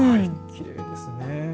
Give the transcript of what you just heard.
きれいですね。